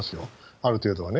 ある程度はね。